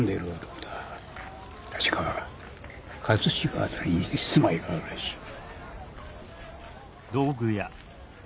確か葛飾辺りに住まいがあるらしい。